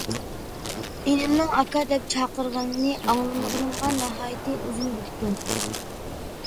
ئىنىمنىڭ «ئاكا» دەپ چاقىرغىنىنى ئاڭلىمىغىنىمغا ناھايىتى ئۇزۇن بوپتۇ.